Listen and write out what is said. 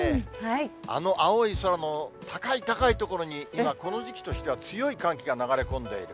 あの青い空の高い高い所に、今、この時期としては強い寒気が流れ込んでいる。